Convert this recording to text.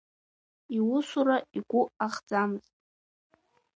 Иусура игәы ахӡамызт.